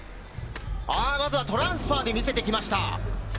まずはトランスファーで見せていきました。